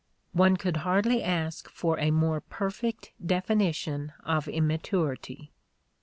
One could hardly ask for a more perfect definition of immaturity.